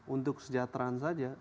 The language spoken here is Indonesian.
untuk sejahteraan saja